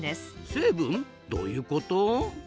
成分？どういうこと？